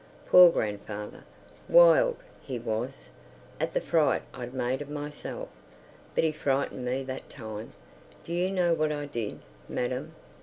Poor grandfather! Wild, he was, at the fright I'd made of myself. But he frightened me that time. Do you know what I did, madam?